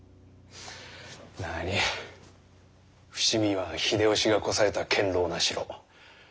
なに伏見は秀吉がこさえた堅牢な城。